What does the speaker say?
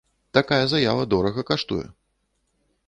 Такая заява дорага каштуе!